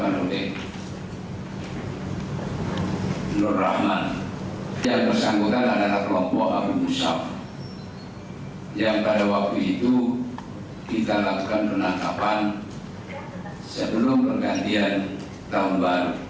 terima kasih nur rahman yang bersangkutan adalah kelompok abu musab yang pada waktu itu kita lakukan penangkapan sebelum pergantian tahun baru